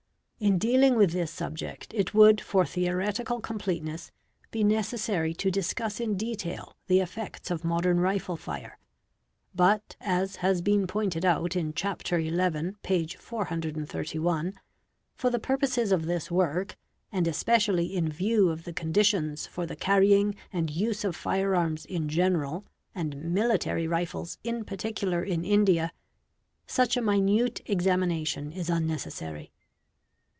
In dealing with this subject, it would for theoretical completeness 80 634 BODILY INJURIES be necessary to discuss in detail the effects of modern rifle fire; but as has been pointed out in Chapter XI, p. 431, for the purposes of this work, and especially in view of the conditions for the carrying and use of fire arms in general and military rifles in particular in India, such a minute examination is unnecessary.